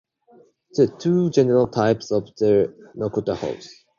There are two general types of the Nokota horse.